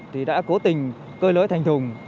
thì đã cố tình cơ lưới thành thùng